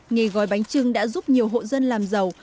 nghề gói bánh trưng đã giúp nhiều hộ dân làm giàu